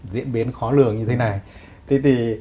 diễn biến khó lường như thế này